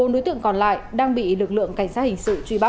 bốn đối tượng còn lại đang bị lực lượng cảnh sát hình sự truy bắt